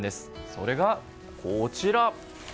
それが、こちら。